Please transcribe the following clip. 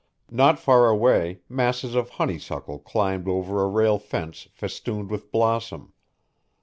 Not far away masses of honeysuckle climbed over a rail fence festooned with blossom.